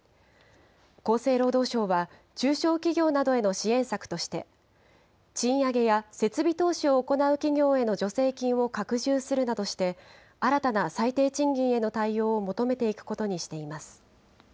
厚生労働省は、中小企業などへの支援策として、賃上げや設備投資を行う企業への助成金を拡充するなどして、新たな最低賃金への対応を求めていくことにしています。